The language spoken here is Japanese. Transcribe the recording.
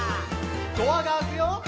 「ドアが開くよ」